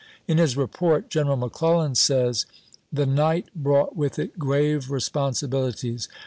In his report Gen eral McClellan says : w. E. The .., night brought with it grave responsibilities.